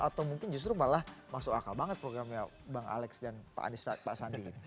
atau mungkin justru malah masuk akal banget programnya bang alex dan pak sandi